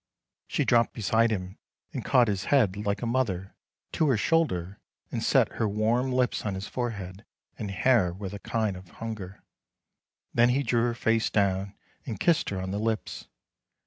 She dropped beside him and caught his head, like a mother, to her shoulder, and set her warm lips on his forehead and hair with a kind of hunger ; and then he drew her face down and kissed her on the lips.